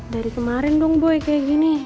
dari kemarin dong gue kayak gini